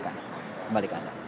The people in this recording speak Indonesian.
kembali ke anda